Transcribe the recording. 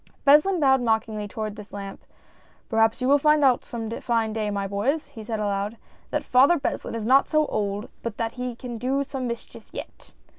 Beslin bowed mockingly towards this lamp. " Perhaps you will find out some fine day, my boys," he said aloud, " that Father Beslin is not so old but that he can do some mischief yet